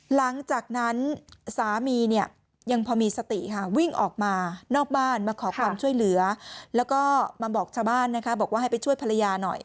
หลังจากนั้นสามีเนี่ยยังพอมีสติค่ะวิ่งออกมานอกบ้านมาขอความช่วยเหลือแล้วก็มาบอกชาวบ้านนะคะบอกว่าให้ไปช่วยภรรยาหน่อย